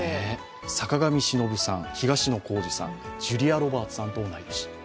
坂上忍さん、東野幸治さん、ジュリア・ロバーツさんと同い年。